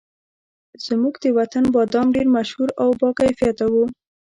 زموږ د وطن بادام ډېر مشهور او باکیفیته وو.